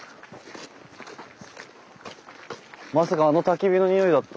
まさかあのたき火の匂いだった。